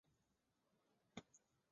柿田川流经町内。